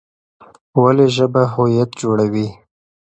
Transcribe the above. ولې ژبه هویت جوړوي؟